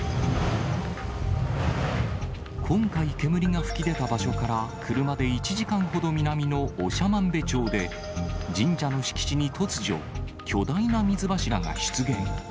今回煙が噴き出た場所から車で１時間ほど南の長万部町で、神社の敷地に突如、巨大な水柱が出現。